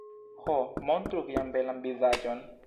Ho... montru vian belan vizaĝon